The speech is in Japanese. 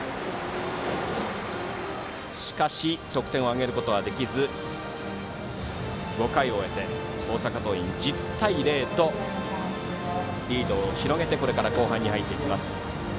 しかし得点を挙げることはできず５回を終えて大阪桐蔭、１０対０とリードを広げてこれから後半に入っていきます。